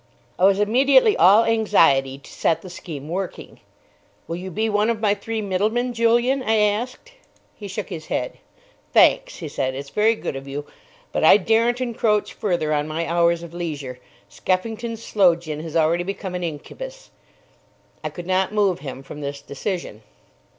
I was immediately all anxiety to set the scheme working. "Will you be one of my three middlemen, Julian?" I asked. He shook his head. "Thanks!" he said; "it's very good of you, but I daren't encroach further on my hours of leisure. Skeffington's Sloe Gin has already become an incubus." I could not move him from this decision.